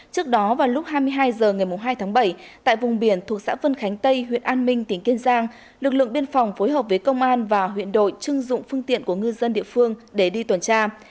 trước đó vào lúc hai mươi hai h ngày hai tháng bảy tại vùng biển thuộc xã vân khánh tây huyện an minh tỉnh kiên giang lực lượng biên phòng phối hợp với công an và huyện đội chưng dụng phương tiện của ngư dân địa phương để đi tuần tra